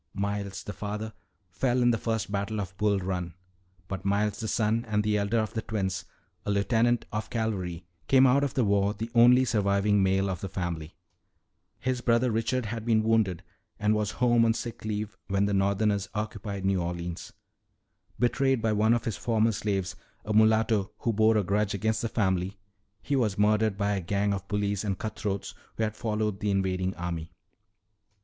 "Miles, the father, fell in the First Battle of Bull Run. But Miles, the son and elder of the twins, a lieutenant of cavalry, came out of the war the only surviving male of his family. "His brother Richard had been wounded and was home on sick leave when the Northerners occupied New Orleans. Betrayed by one of his former slaves, a mulatto who bore a grudge against the family, he was murdered by a gang of bullies and cutthroats who had followed the invading army.